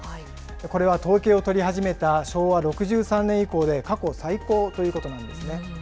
これは統計を取り始めた昭和６３年以降で過去最高ということなんですね。